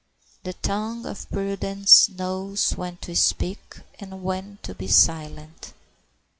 The tongue of prudence knows when to speak and when to be silent.